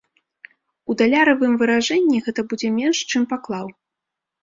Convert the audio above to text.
У даляравым выражэнні гэта будзе менш, чым паклаў.